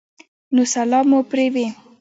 نو سلام مو پرې ووې